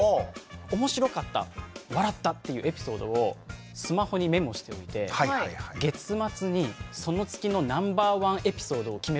おもしろかった笑ったっていうエピソードをスマホにメモしておいて月末にその月のナンバーワンエピソードを決めるんですよ。